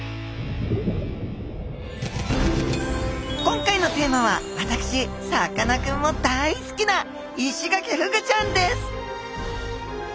今回のテーマは私さかなクンも大好きなイシガキフグちゃんです！